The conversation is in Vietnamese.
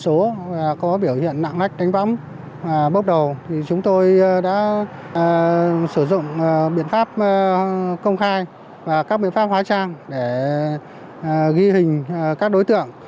xe biển số có biểu hiện lạng lách đánh bóng bốc đầu chúng tôi đã sử dụng biện pháp công khai và các biện pháp hóa trang để ghi hình các đối tượng